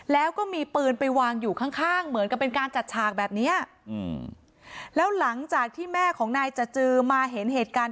แล้วก็มีปืนไปวางอยู่ข้างข้างเหมือนกับเป็นการจัดฉากแบบเนี้ยอืมแล้วหลังจากที่แม่ของนายจจือมาเห็นเหตุการณ์